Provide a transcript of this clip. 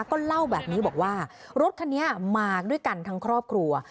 ก็เล่าแบบนี้บอกว่ารถคันนี้มาด้วยกันทั้งครอบครัว